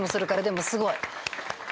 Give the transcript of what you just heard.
でもすごい。